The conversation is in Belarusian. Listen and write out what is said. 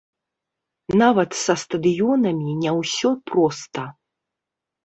Нават са стадыёнамі не ўсё проста.